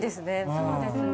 そうですね。